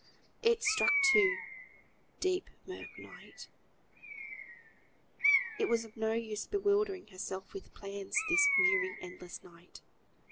It struck two; deep, mirk, night. It was of no use bewildering herself with plans this weary, endless night.